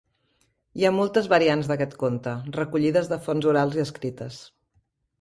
Hi ha moltes variants d'aquest conte, recollides de fonts orals i escrites.